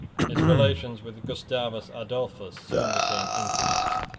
His relations with Gustavus Adolphus soon became intimate.